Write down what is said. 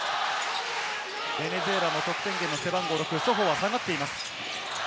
ベネズエラの得点源の背番号６、ソホは下がっています。